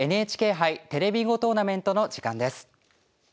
「ＮＨＫ杯テレビ囲碁トーナメント」の時間です。